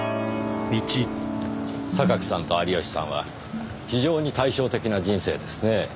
榊さんと有吉さんは非常に対照的な人生ですね。